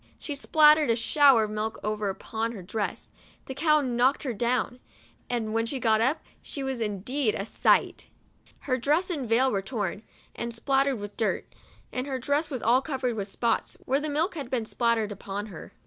She spattered a shower of milk over upon her dress ; the cow knocked her .down ; and when she got up, she was indeed a sight ! Her dress and veil were torn, and spattered with dirt, and her dress was all covered with spots, where the milk had been spattered upon her.